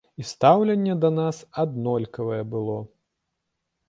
І стаўленне да нас аднолькавае было.